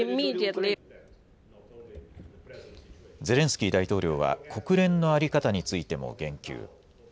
ゼレンスキー大統領は国連の在り方についても言及。